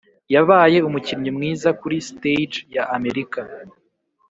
yabaye umukinnyi mwiza kuri stage ya amerika.